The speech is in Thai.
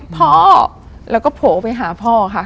พ่อแล้วก็โผล่ไปหาพ่อค่ะ